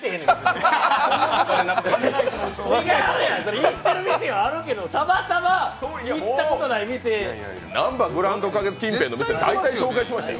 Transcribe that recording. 違うやん、行ってる店あるけどたまたま行ったことない店なんばグランド花月近辺のお店大体紹介しましたよ。